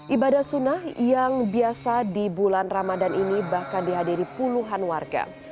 ibadah sunnah yang biasa di bulan ramadan ini bahkan dihadiri puluhan warga